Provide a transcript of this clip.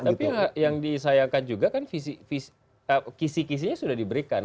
tapi yang disayangkan juga kan kisih kisihnya sudah diberikan